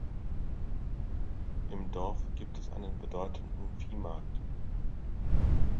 Im Dorf gibt es einen bedeutenden Viehmarkt.